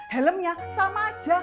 helmnya sama aja